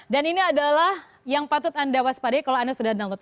dan ini adalah yang patut anda waspadai kalau anda sudah download